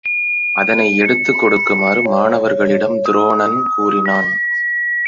அதனை எடுத்துக் கொடுக்குமாறு மாணவர்களிடம் துரோணன் கூறினான்.